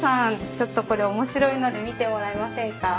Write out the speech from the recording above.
ちょっとこれ面白いので見てもらえませんか？